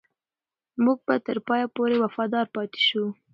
موږ به تر پایه پورې وفادار پاتې شو.